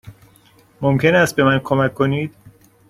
ممکن است به من کمک کنید؟